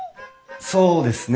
そうですね。